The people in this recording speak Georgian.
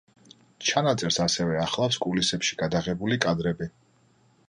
ჩანაწერს ასევე ახლავს კულისებში გადაღებული კადრები.